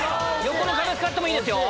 横の壁使ってもいいですよ。